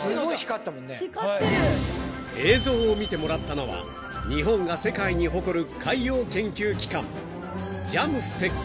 ［映像を見てもらったのは日本が世界に誇る］